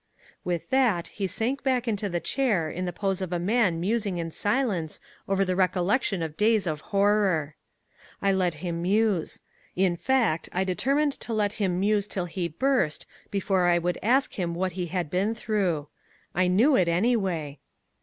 With that, he sank back into the chair in the pose of a man musing in silence over the recollection of days of horror. I let him muse. In fact I determined to let him muse till he burst before I would ask him what he had been through. I knew it, anyway.